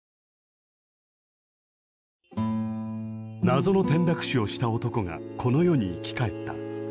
謎の転落死をした男がこの世に生き返った。